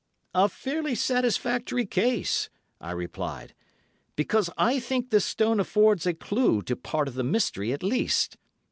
"A fairly satisfactory case," I replied, "because I think this stone affords a clue to part of the mystery at least.